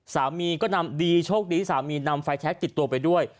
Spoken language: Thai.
สามีก็นำดีโชคดีสามีนำไฟแท็กต์จิตตัวไปด้วย